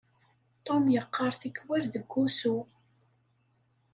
Tum yeqqar tikkwal deg wusu.